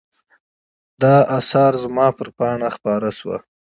دا آثار زما پر پاڼه خپاره شوي.